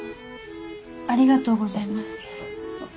ありがとうございます。